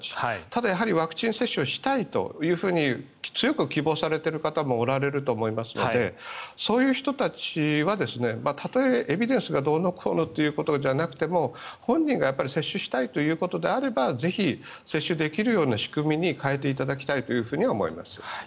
ただワクチン接種をしたいと強く希望されている方もおられると思いますのでそういう人たちはたとえエビデンスがどうのこうのということじゃなくても本人が接種したいということであればぜひ接種できるような仕組みに変えていただきたいとは思います。